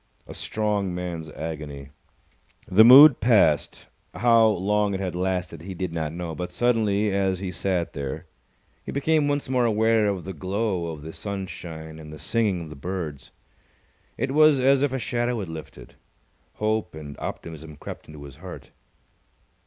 A strong man's agony. The mood passed. How long it had lasted, he did not know. But suddenly, as he sat there, he became once more aware of the glow of the sunshine and the singing of the birds. It was as if a shadow had lifted. Hope and optimism crept into his heart.